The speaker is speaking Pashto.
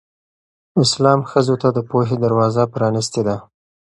اسلام ښځو ته د پوهې دروازه پرانستې ده.